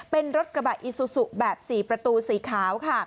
เป็นรถกระบะอิซุสุแบบสี่ประตูสีขาว